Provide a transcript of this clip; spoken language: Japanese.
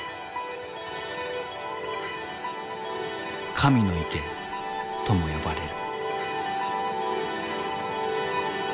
神の池とも呼ばれる。